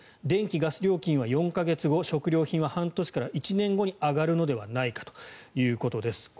電気・ガス料金は４か月後食料品は半年から１年後に上がるのではないかということです。